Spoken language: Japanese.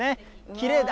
きれいだ。